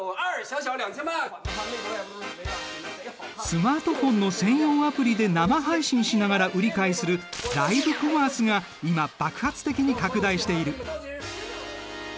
スマートフォンの専用アプリで生配信しながら売り買いするライブコマースが今爆発的に拡大している。